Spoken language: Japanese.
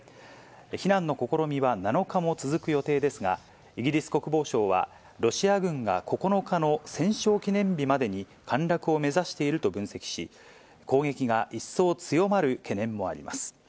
避難の試みは７日も続く予定ですが、イギリス国防省は、ロシア軍が９日の戦勝記念日までに、陥落を目指していると分析し、攻撃が一層強まる懸念もあります。